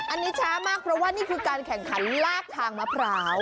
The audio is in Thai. อันนี้ช้ามากเพราะว่านี่คือการแข่งขันลากทางมะพร้าว